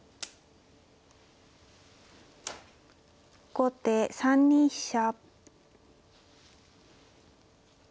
後手３二飛車。